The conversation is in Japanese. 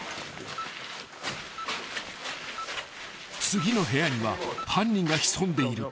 ［次の部屋には犯人が潜んでいる］